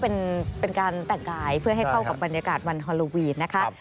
เป็นการแต่งกายเพื่อให้เข้ากับบรรยากาศวันฮอลโลวีนนะคะ